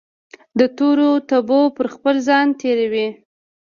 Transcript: دتورو تبو پرخپل ځان تیروي